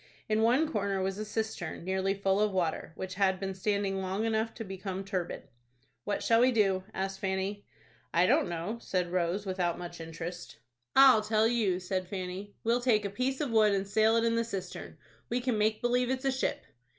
In one corner was a cistern nearly full of water, which had been standing long enough to become turbid. "What shall we do?" asked Fanny. "I don't know," said Rose, without much interest. "I'll tell you," said Fanny, "we'll take a piece of wood, and sail it in the cistern. We can make believe it's a ship."